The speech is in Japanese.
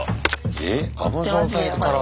えっあの状態から。